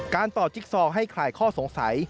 การตอบจิกซอให้คลายข้อสงสัย